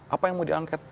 apa yang mau diangket